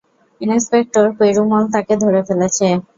Inspector Perumal তাকে ধরে রেখেছে।